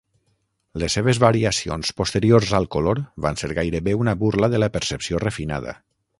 Les seves variacions posteriors al color van ser gairebé una burla de la percepció refinada.